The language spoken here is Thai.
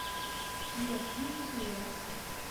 เหยียบถ้ำเสือ